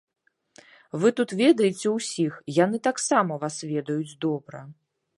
Вы тут ведаеце ўсіх, яны таксама вас ведаюць добра.